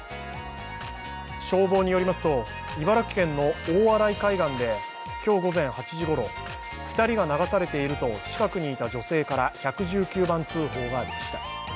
消防によりますと、茨城県の大洗海岸で今日午前８時ごろ、２人が流されていると近くにいた女性から１１９番通報がありました。